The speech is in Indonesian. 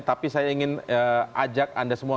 tapi saya ingin ajak anda semua